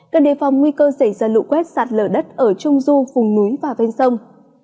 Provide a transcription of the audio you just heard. cần đề phòng nguy cơ xảy ra lụ quét sạt lở đất ở trung du vùng núi và ven sông